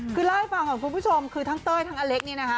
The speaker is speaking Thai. คือเล่าให้ฟังก่อนคุณผู้ชมคือทั้งเต้ยทั้งอเล็กนี่นะคะ